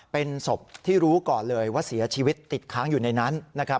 เป็นศพที่รู้ก่อนเลยว่าเสียชีวิตติดค้างอยู่ในนั้นนะครับ